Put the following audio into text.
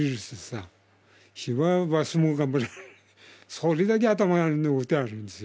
それだけ頭に置いてあるんですよ。